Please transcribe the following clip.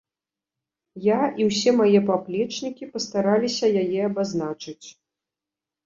Я і ўсе мае паплечнікі пастараліся яе абазначыць.